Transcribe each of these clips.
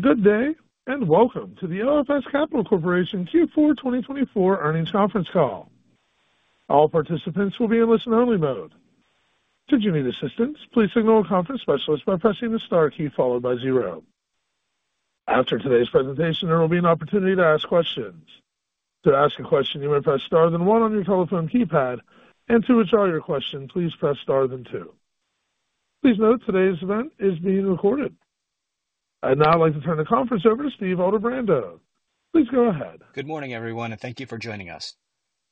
Good day, and welcome to the OFS Capital Corporation Q4 2024 earnings conference call. All participants will be in listen-only mode. Should you need assistance, please signal a conference specialist by pressing the star key followed by zero. After today's presentation, there will be an opportunity to ask questions. To ask a question, you may press star then one on your telephone keypad, and to withdraw your question, please press star then two. Please note today's event is being recorded. I'd now like to turn the conference over to Steve Altebrando. Please go ahead. Good morning, everyone, and thank you for joining us.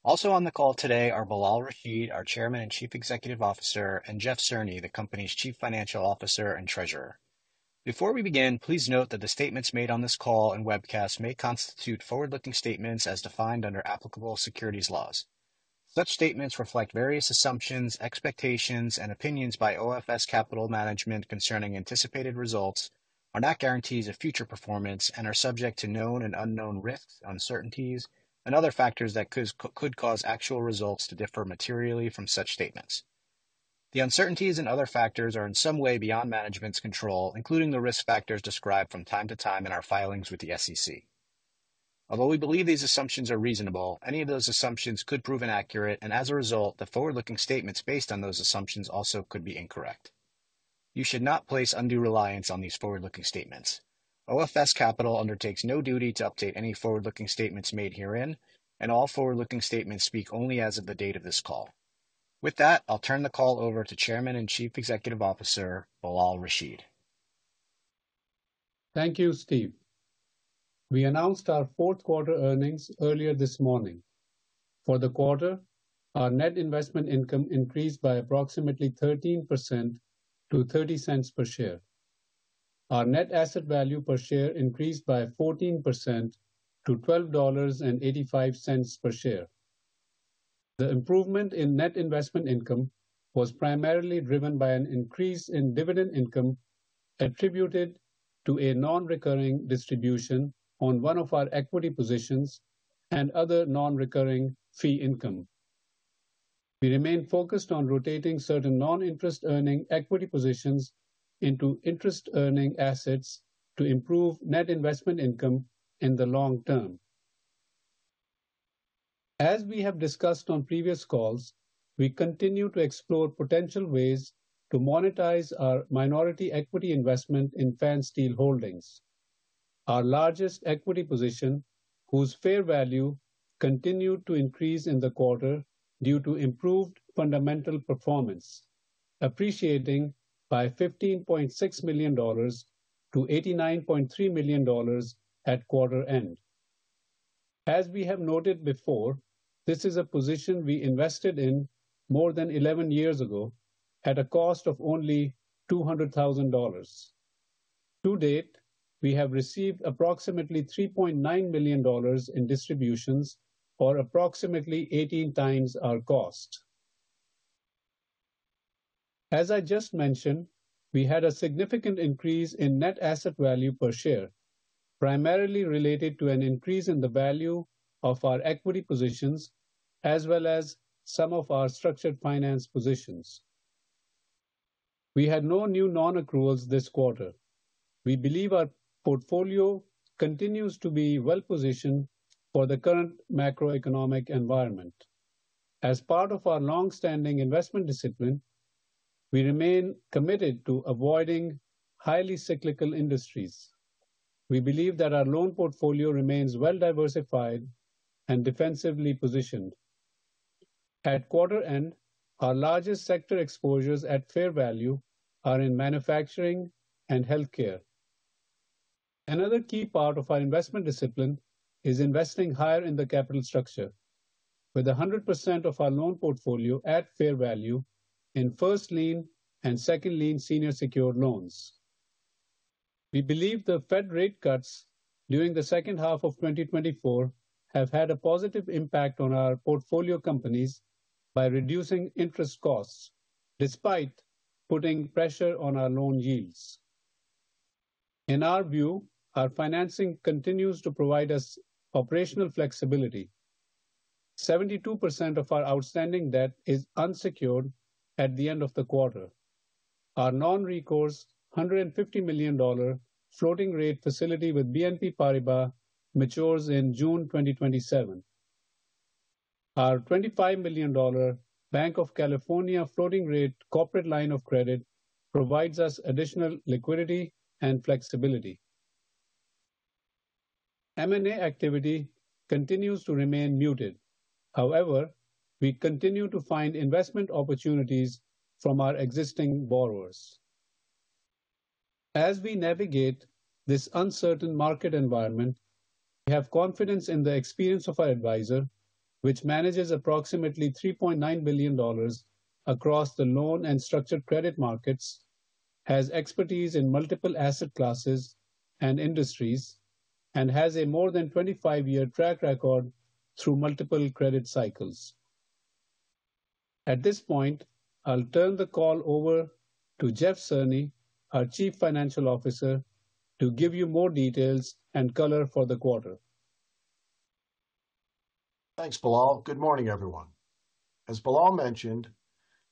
Also on the call today are Bilal Rashid, our Chairman and Chief Executive Officer, and Jeff Cerny, the company's Chief Financial Officer and Treasurer. Before we begin, please note that the statements made on this call and webcast may constitute forward-looking statements as defined under applicable securities laws. Such statements reflect various assumptions, expectations, and opinions by OFS Capital Management concerning anticipated results, are not guarantees of future performance, and are subject to known and unknown risks, uncertainties, and other factors that could cause actual results to differ materially from such statements. The uncertainties and other factors are in some way beyond management's control, including the risk factors described from time to time in our filings with the SEC. Although we believe these assumptions are reasonable, any of those assumptions could prove inaccurate, and as a result, the forward-looking statements based on those assumptions also could be incorrect. You should not place undue reliance on these forward-looking statements. OFS Capital undertakes no duty to update any forward-looking statements made herein, and all forward-looking statements speak only as of the date of this call. With that, I'll turn the call over to Chairman and Chief Executive Officer Bilal Rashid. Thank you, Steve. We announced our fourth-quarter earnings earlier this morning. For the quarter, our net investment income increased by approximately 13% to $0.30 per share. Our net asset value per share increased by 14% to $12.85 per share. The improvement in net investment income was primarily driven by an increase in dividend income attributed to a non-recurring distribution on one of our equity positions and other non-recurring fee income. We remained focused on rotating certain non-interest-earning equity positions into interest-earning assets to improve net investment income in the long term. As we have discussed on previous calls, we continue to explore potential ways to monetize our minority equity investment in Fansteel Holdings, our largest equity position whose fair value continued to increase in the quarter due to improved fundamental performance, appreciating by $15.6 million to $89.3 million at quarter end. As we have noted before, this is a position we invested in more than 11 years ago at a cost of only $200,000. To date, we have received approximately $3.9 million in distributions for approximately 18 times our cost. As I just mentioned, we had a significant increase in net asset value per share, primarily related to an increase in the value of our equity positions as well as some of our structured finance positions. We had no new non-accruals this quarter. We believe our portfolio continues to be well-positioned for the current macroeconomic environment. As part of our long-standing investment discipline, we remain committed to avoiding highly cyclical industries. We believe that our loan portfolio remains well-diversified and defensively positioned. At quarter end, our largest sector exposures at fair value are in manufacturing and healthcare. Another key part of our investment discipline is investing higher in the capital structure, with 100% of our loan portfolio at fair value in first lien and second lien senior secured loans. We believe the Fed rate cuts during the second half of 2024 have had a positive impact on our portfolio companies by reducing interest costs, despite putting pressure on our loan yields. In our view, our financing continues to provide us operational flexibility. 72% of our outstanding debt is unsecured at the end of the quarter. Our non-recourse $150 million floating rate facility with BNP Paribas matures in June 2027. Our $25 million Banc of California floating rate corporate line of credit provides us additional liquidity and flexibility. M&A activity continues to remain muted. However, we continue to find investment opportunities from our existing borrowers. As we navigate this uncertain market environment, we have confidence in the experience of our advisor, which manages approximately $3.9 billion across the loan and structured credit markets, has expertise in multiple asset classes and industries, and has a more than 25-year track record through multiple credit cycles. At this point, I'll turn the call over to Jeff Cerny, our Chief Financial Officer, to give you more details and color for the quarter. Thanks, Bilal. Good morning, everyone. As Bilal mentioned,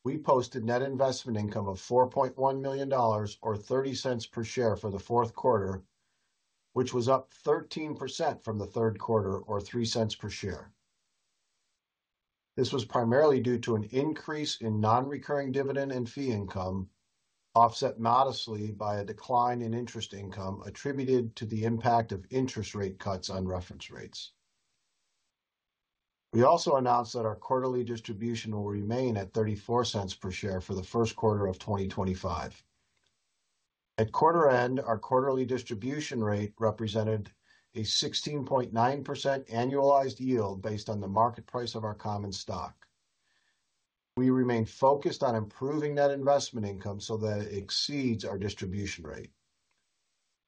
we posted net investment income of $4.1 million or $0.30 per share for the fourth quarter, which was up 13% from the third quarter or $0.03 per share. This was primarily due to an increase in non-recurring dividend and fee income offset modestly by a decline in interest income attributed to the impact of interest rate cuts on reference rates. We also announced that our quarterly distribution will remain at $0.34 per share for the first quarter of 2025. At quarter end, our quarterly distribution rate represented a 16.9% annualized yield based on the market price of our common stock. We remain focused on improving net investment income so that it exceeds our distribution rate.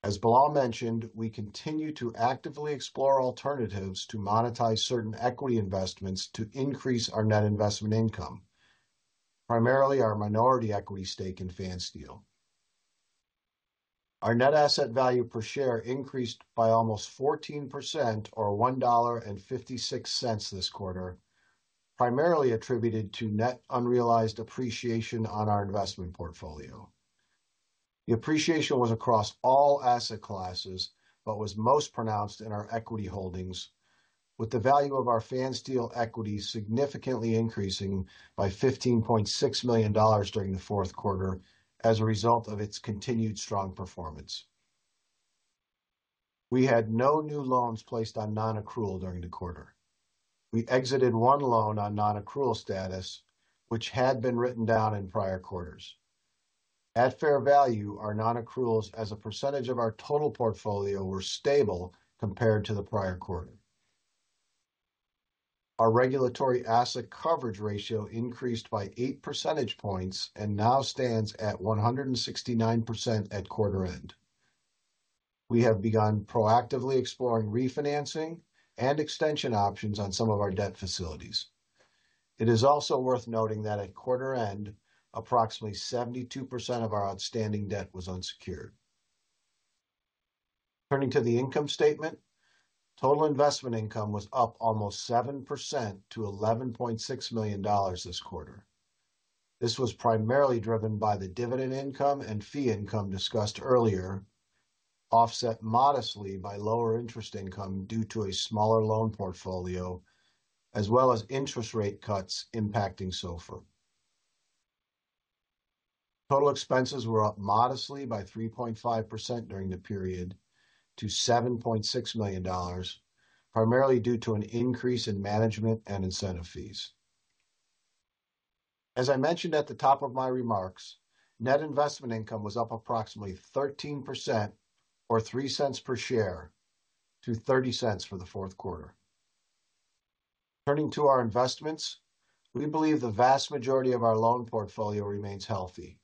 As Bilal mentioned, we continue to actively explore alternatives to monetize certain equity investments to increase our net investment income, primarily our minority equity stake in Fansteel. Our net asset value per share increased by almost 14% or $1.56 this quarter, primarily attributed to net unrealized appreciation on our investment portfolio. The appreciation was across all asset classes but was most pronounced in our equity holdings, with the value of our Fansteel equities significantly increasing by $15.6 million during the fourth quarter as a result of its continued strong performance. We had no new loans placed on non-accrual during the quarter. We exited one loan on non-accrual status, which had been written down in prior quarters. At fair value, our non-accruals as a percentage of our total portfolio were stable compared to the prior quarter. Our regulatory asset coverage ratio increased by 8 percentage points and now stands at 169% at quarter end. We have begun proactively exploring refinancing and extension options on some of our debt facilities. It is also worth noting that at quarter end, approximately 72% of our outstanding debt was unsecured. Turning to the income statement, total investment income was up almost 7% to $11.6 million this quarter. This was primarily driven by the dividend income and fee income discussed earlier, offset modestly by lower interest income due to a smaller loan portfolio, as well as interest rate cuts impacting SOFR. Total expenses were up modestly by 3.5% during the period to $7.6 million, primarily due to an increase in management and incentive fees. As I mentioned at the top of my remarks, net investment income was up approximately 13% or $0.03 per share to $0.30 for the fourth quarter. Turning to our investments, we believe the vast majority of our loan portfolio remains healthy.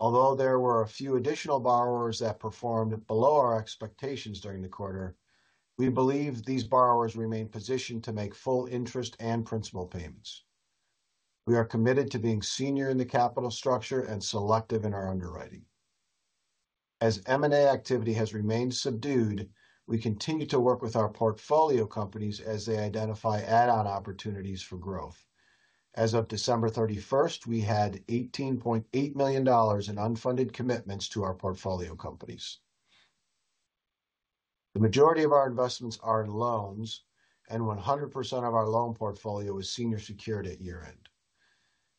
Although there were a few additional borrowers that performed below our expectations during the quarter, we believe these borrowers remain positioned to make full interest and principal payments. We are committed to being senior in the capital structure and selective in our underwriting. As M&A activity has remained subdued, we continue to work with our portfolio companies as they identify add-on opportunities for growth. As of December 31st, we had $18.8 million in unfunded commitments to our portfolio companies. The majority of our investments are in loans, and 100% of our loan portfolio is senior secured at year-end.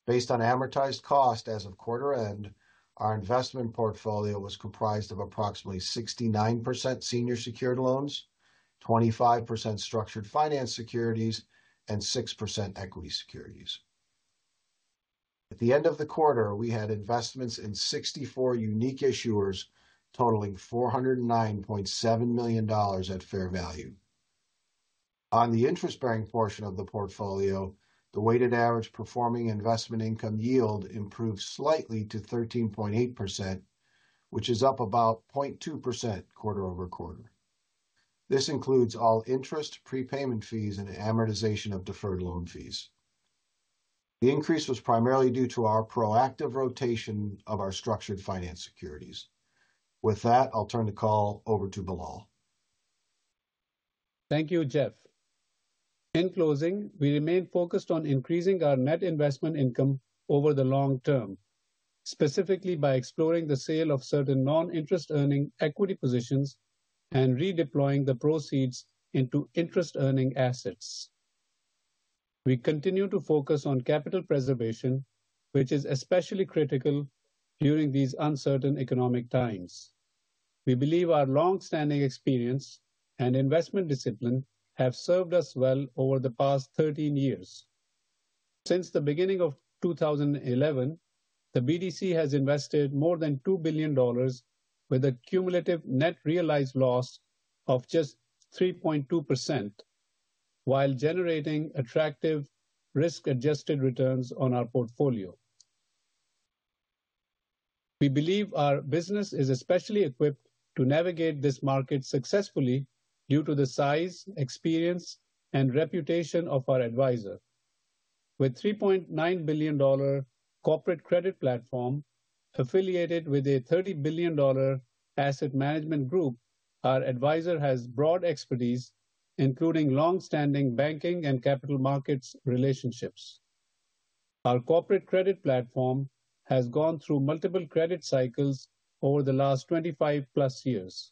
Based on amortized cost as of quarter end, our investment portfolio was comprised of approximately 69% senior secured loans, 25% structured finance securities, and 6% equity securities. At the end of the quarter, we had investments in 64 unique issuers totaling $409.7 million at fair value. On the interest-bearing portion of the portfolio, the weighted average performing investment income yield improved slightly to 13.8%, which is up about 0.2% quarter-over-quarter. This includes all interest, prepayment fees, and amortization of deferred loan fees. The increase was primarily due to our proactive rotation of our structured finance securities. With that, I'll turn the call over to Bilal. Thank you, Jeff. In closing, we remain focused on increasing our net investment income over the long term, specifically by exploring the sale of certain non-interest-earning equity positions and redeploying the proceeds into interest-earning assets. We continue to focus on capital preservation, which is especially critical during these uncertain economic times. We believe our long-standing experience and investment discipline have served us well over the past 13 years. Since the beginning of 2011, the BDC has invested more than $2 billion, with a cumulative net realized loss of just 3.2%, while generating attractive risk-adjusted returns on our portfolio. We believe our business is especially equipped to navigate this market successfully due to the size, experience, and reputation of our advisor. With a $3.9 billion corporate credit platform affiliated with a $30 billion asset management group, our advisor has broad expertise, including long-standing banking and capital markets relationships. Our corporate credit platform has gone through multiple credit cycles over the last 25+ years.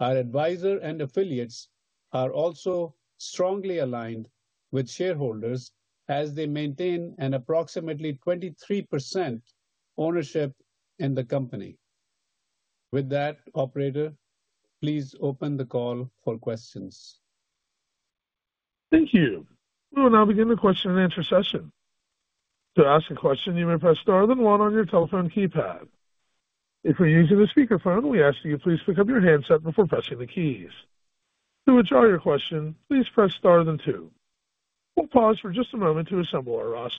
Our advisor and affiliates are also strongly aligned with shareholders as they maintain an approximately 23% ownership in the company. With that, Operator, please open the call for questions. Thank you. We will now begin the question-and-answer session. To ask a question, you may press star then one on your telephone keypad. If you're using a speakerphone, we ask that you please pick up your handset before pressing the keys. To withdraw your question, please press star then two. We'll pause for just a moment to assemble our roster.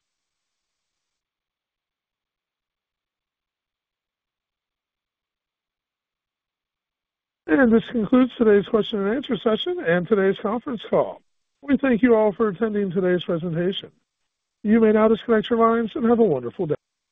This concludes today's question-and-answer session and today's conference call. We thank you all for attending today's presentation. You may now disconnect your lines and have a wonderful day.